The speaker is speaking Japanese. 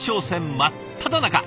真っただ中。